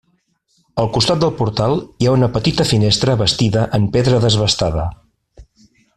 Al costat del portal hi ha una petita finestra bastida en pedra desbastada.